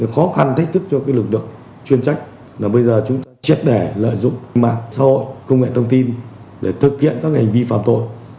khó khăn thách thức cho lực lượng chuyên trách là bây giờ chúng triệt để lợi dụng mạng xã hội công nghệ thông tin để thực hiện các hành vi phạm tội